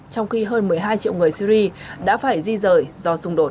trong khi hơn một mươi hai triệu người syri đã phải di rời do xung đột